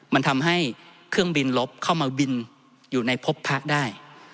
มันทำให้เครื่องบินลบเข้ามาบินอยู่ในพบพระได้